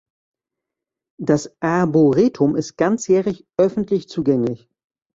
Das Arboretum ist ganzjährig öffentlich zugänglich.